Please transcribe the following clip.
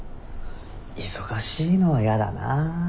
忙しいのはやだな。